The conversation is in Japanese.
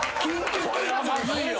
これはまずいよ。